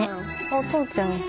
あっお父ちゃん。